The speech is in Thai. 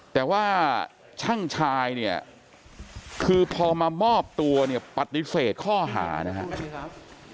แต่ว่าช่างชายเนี่ยคือพอมามอบตัวเนี่ยปฏิเสธข้อหานะครับ